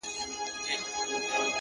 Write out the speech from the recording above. دا خواركۍ راپسي مه ږغـوه ـ